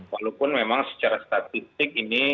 walaupun memang secara statistik ini